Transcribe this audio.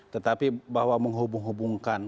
tetapi bahwa menghubung hubungkan